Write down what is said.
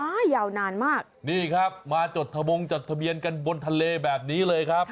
ยาวนานมากนี่ครับมาจดทะบงจดทะเบียนกันบนทะเลแบบนี้เลยครับ